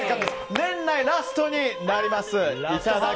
年内ラストになりますいただき！